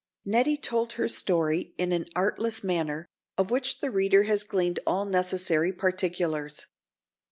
Nettie told her story in an artless manner, of which the reader has gleaned all necessary particulars.